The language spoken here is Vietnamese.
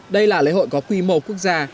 đây là lễ hội có quy mô quốc gia